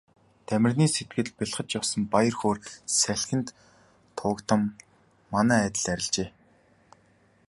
Дамираны сэтгэлд бялхаж явсан баяр хөөр салхинд туугдсан манан адил арилжээ.